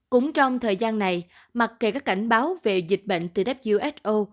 cũng trong thời gian này mặc kề các cảnh báo về dịch bệnh từ who